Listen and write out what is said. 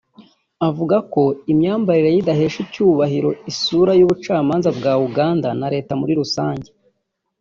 ivuga ko imyambarire ye idahesha icyubahiro isura y’Ubucamanza bwa Uganda na Leta muri rusange